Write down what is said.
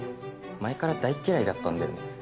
前から大っ嫌いだったんだよね。